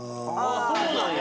そうなんや。